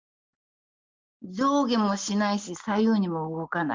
上下もしないし、左右にも動かない。